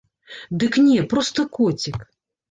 Дык не, проста коцік.